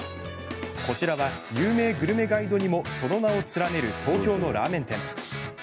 こちらは、有名グルメガイドにもその名を連ねる東京のラーメン店。